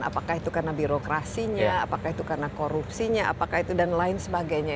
apakah itu karena birokrasinya apakah itu karena korupsinya apakah itu dan lain sebagainya